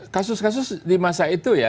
kasus kasus di masa itu ya